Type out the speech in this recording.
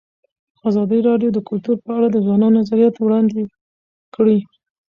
ازادي راډیو د کلتور په اړه د ځوانانو نظریات وړاندې کړي.